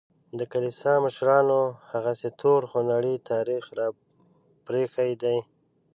د کلیسا مشرانو هغسې تور خونړی تاریخ راپرېښی دی.